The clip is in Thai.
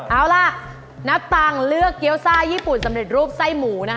เอาล่ะนับตังค์เลือกเกี้ยวซ่าญี่ปุ่นสำเร็จรูปไส้หมูนะคะ